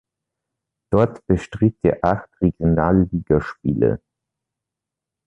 Dort bestritt er acht Regionalligaspiele.